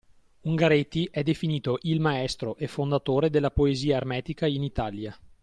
Ungaretti è definito il maestro e fondatore della poesia Ermetica in Italia.